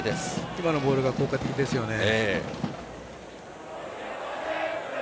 今のボールが効果的ですね。